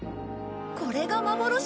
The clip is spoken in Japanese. これが幻！？